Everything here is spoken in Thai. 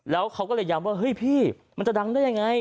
แล้วเขาก็เลยย้ำว่าเฮ้ยพี่มันจะดังได้ยังไง